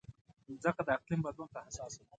مځکه د اقلیم بدلون ته حساسه ده.